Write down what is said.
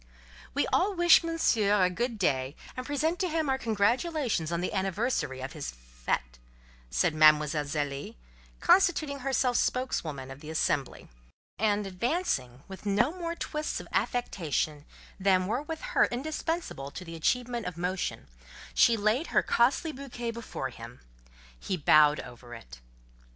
"We all wish Monsieur a good day, and present to him our congratulations on the anniversary of his fête," said Mademoiselle Zélie, constituting herself spokeswoman of the assembly; and advancing with no more twists of affectation than were with her indispensable to the achievement of motion, she laid her costly bouquet before him. He bowed over it.